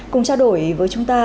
cùng trao đổi với chúng ta